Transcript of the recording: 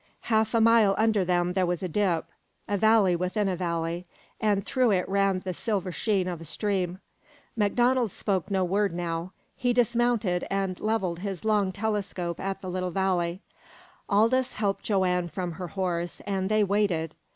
Half a mile under them there was a dip a valley within a valley and through it ran the silver sheen of a stream. MacDonald spoke no word now. He dismounted and levelled his long telescope at the little valley. Aldous helped Joanne from her horse, and they waited.